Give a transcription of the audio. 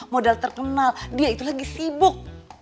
modal terkenal dia itu lagi sibuk